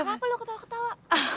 kenapa lo ketawa ketawa